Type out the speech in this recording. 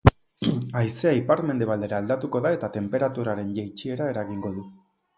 Haizea ipar-mendebaldera aldatuko da eta tenperaturaren jaitsiera eragingo du.